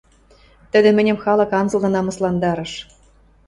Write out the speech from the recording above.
Тӹдӹ мӹньӹм халык анзылны намысландарыш.